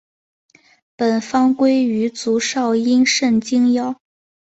本方归于足少阴肾经药。